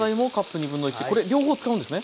これ両方使うんですね？